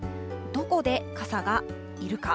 どこで傘がいるか。